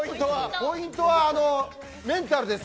ポイントはメンタルです。